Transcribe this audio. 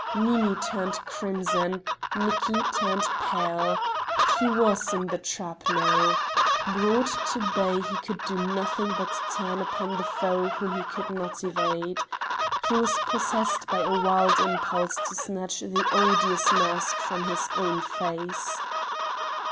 Nini turned crimson; Nicki turned pale. He was in the trap now. Brought to bay he could do nothing but turn upon the foe whom he could not evade. He was possessed by a wild impulse to snatch the odious mask from his own face.